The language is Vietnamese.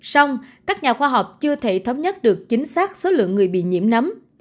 xong các nhà khoa học chưa thể thống nhất được chính xác số lượng người bị nhiễm nấm